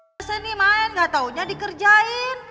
bersenimain gak taunya dikerjain